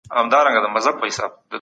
شجاع الدوله خپل واک ټینګ کړ.